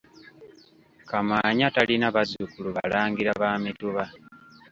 Kamaanya talina bazzukulu balangira ba mituba.